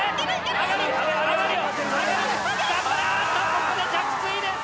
ここで着水です！